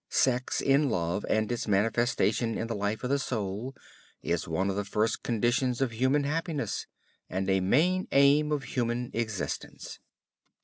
Sex in love and its manifestation in the life of the soul is one of the first conditions of human happiness, and a main aim of human existence.